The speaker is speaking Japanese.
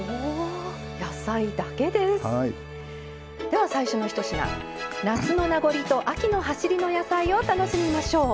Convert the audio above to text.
では最初の１品夏の名残と秋のはしりの野菜を楽しみましょう。